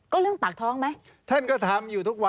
ก็เรื่องปากท้องไหม